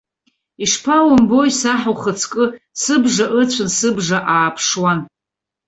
Ишԥа умбо, саҳ ухаҵкы, сыбжа ыцәан, сыбжа ааԥшуан.